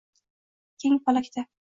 keng falaqda